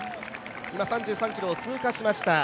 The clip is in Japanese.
今、３３ｋｍを通過しました。